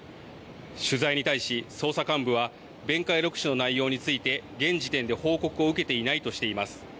取材に対し捜査幹部は弁解録取の内容について現時点で報告を受けていないとしています。